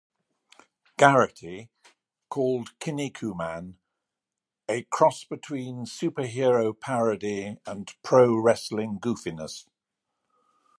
Garrity called "Kinnikuman" a "cross between superhero parody and pro-wrestling goofiness".